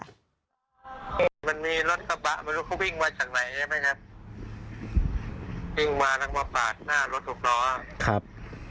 มันมีรถกระบะไม่รู้เขาวิ่งมาจากไหนใช่ไหมครับวิ่งมาทั้งมาปาดหน้ารถหกล้อครับ